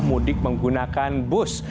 mudik menggunakan bus